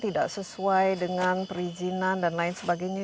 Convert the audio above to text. tidak sesuai dengan perizinan dan lain sebagainya